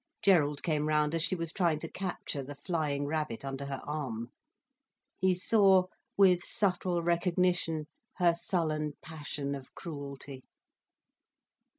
Gerald came round as she was trying to capture the flying rabbit under her arm. He saw, with subtle recognition, her sullen passion of cruelty.